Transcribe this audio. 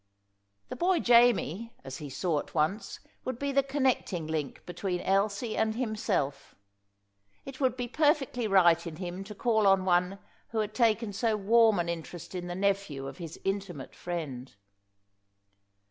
The boy Jamie, as he saw at once, would be the connecting link between Elsie and himself. It would be perfectly right in him to call on one who had taken so warm an interest in the nephew of his intimate friend.